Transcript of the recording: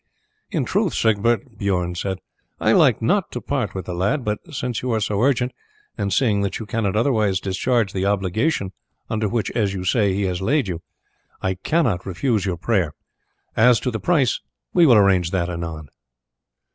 "In truth, Siegbert," Bijorn said, "I like not to part with the lad; but since you are so urgent, and seeing that you cannot otherwise discharge the obligation under which, as you say, he has laid you, I cannot refuse your prayer. As to the price, we will arrange that anon."